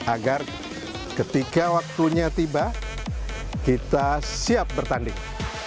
agar ketika waktunya tiba kita siap bertanding